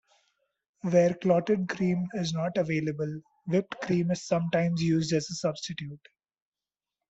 Where clotted cream is not available, whipped cream is sometimes used as a substitute.